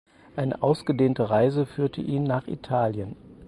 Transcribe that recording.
Eine ausgedehnte Reise führte ihn nach Italien.